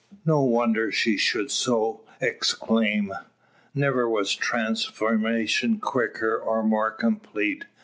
No wonder she should so exclaim. Never was transformation quicker, or more complete.